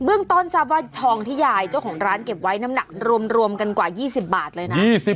เรื่องต้นทราบว่าทองที่ยายเจ้าของร้านเก็บไว้น้ำหนักรวมกันกว่า๒๐บาทเลยนะ